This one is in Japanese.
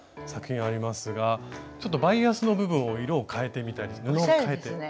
作品ありますがちょっとバイアスの部分を色を変えてみたり布を変えて。